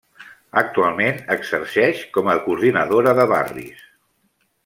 Actualment exerceix com a coordinadora de barris.